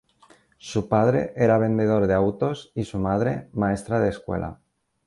Su padre era vendedor de autos y su madre, maestra de escuela.